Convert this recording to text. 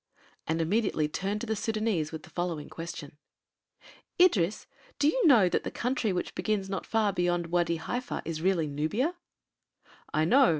and immediately turned to the Sudânese with the following question: "Idris, do you know that the country which begins not far beyond Wâdi Haifa is really Nubia?" "I know.